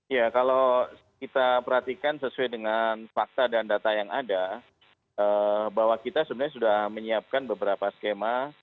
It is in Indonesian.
ya kalau kita perhatikan sesuai dengan fakta dan data yang ada bahwa kita sebenarnya sudah menyiapkan beberapa skema